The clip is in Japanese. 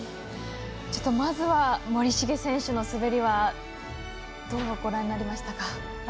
まずは、森重選手の滑りはどうご覧になりましたか？